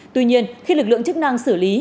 tuy nhiên khi lực lượng chức năng xử lý